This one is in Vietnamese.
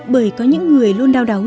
bởi có những người luôn đau đáu